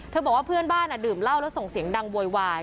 บอกว่าเพื่อนบ้านดื่มเหล้าแล้วส่งเสียงดังโวยวาย